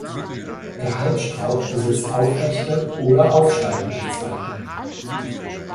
Der Halbstrauch besitzt aufrechte oder aufsteigende Zweige.